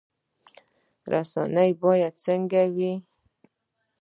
رئیس باید څنګه وي؟